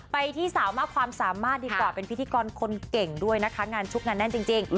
ไปที่สาวมากความสามารถดีกว่าเป็นพิธีกรคนเก่งด้วยนะคะงานชุกงานแน่นจริง